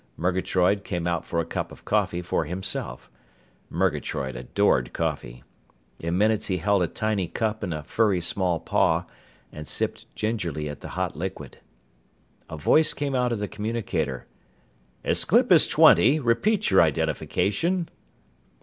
Murgatroyd came out for a cup of coffee for himself. Murgatroyd adored coffee. In minutes he held a tiny cup in a furry small paw and sipped gingerly at the hot liquid. A voice came out of the communicator: "Aesclipus Twenty, repeat your identification."